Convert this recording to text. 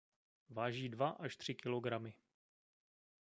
Váží dva až tři kilogramy.